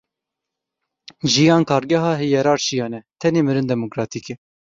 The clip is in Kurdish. Jiyan kargeha hiyerarşiyan e, tenê mirin demokratîk e.